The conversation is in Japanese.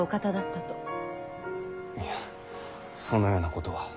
いやそのようなことは。